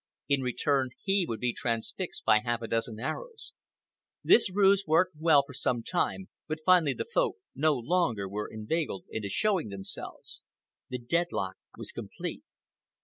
In return, he would be transfixed by half a dozen arrows. This ruse worked well for some time, but finally the Folk no longer were inveigled into showing themselves. The deadlock was complete.